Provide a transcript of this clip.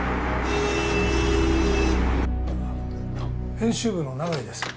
編集部の長井です。